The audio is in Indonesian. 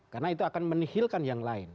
karena itu akan menihilkan yang lain